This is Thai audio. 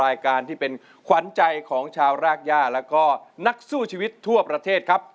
รายการที่เป็นขวัญใจของชาวรากย่าแล้วก็นักสู้ชีวิตทั่วประเทศครับ